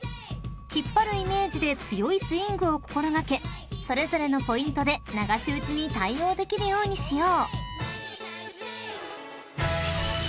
［引っ張るイメージで強いスイングを心掛けそれぞれのポイントで流し打ちに対応できるようにしよう］